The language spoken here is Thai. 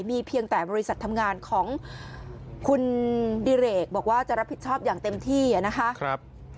มีเพียงแต่บริษัททำงานของคุณดิเรกบอกว่าจะรับผิดชอบอย่างเต็มที่นะคะ